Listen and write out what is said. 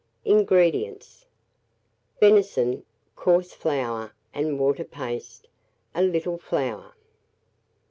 INGREDIENTS. Venison, coarse flour and water paste, a little flour.